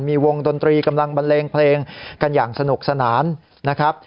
มีวงดนตรีกำลังบันเลงเพลงกันอย่างสนุกสนานนะครับ